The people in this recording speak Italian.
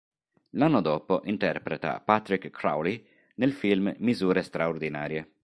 L'anno dopo interpreta Patrick Crowley nel film "Misure straordinarie".